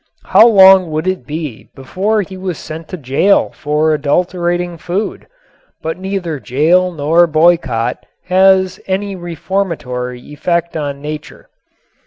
How long would it be before he was sent to jail for adulterating food? But neither jail nor boycott has any reformatory effect on Nature.